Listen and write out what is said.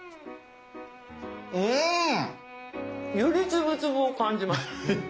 うん！より粒々を感じます。